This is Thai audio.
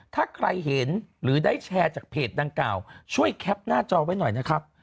ถ้าใครเห็นหรือได้แชร์จากเพจดังกล่าวช่วยแคปหน้าจอไว้หน่อยนะครับ